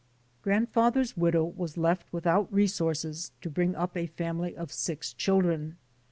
Grandfather's widow was left without resources to bring up a family of six children.